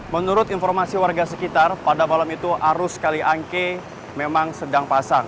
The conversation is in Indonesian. menurut informasi warga sekitar pada malam itu arus kaliangke memang sedang pasang